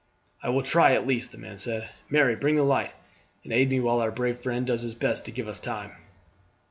"I will try at least," the man said. "Mary, bring the light, and aid me while our brave friend does his best to give us time."